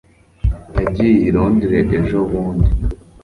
yagiye i londres ejobundi